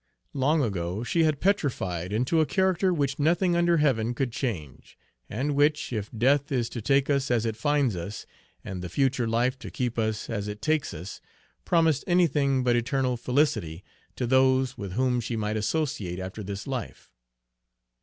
Long ago she had petrified into a character which nothing under heaven could change, and which, if death is to take us as it finds us, and the future life to keep us as it takes us, promised anything but eternal felicity to those with whom she might associate after this life.